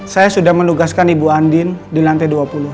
saya sudah menugaskan ibu andin di lantai dua puluh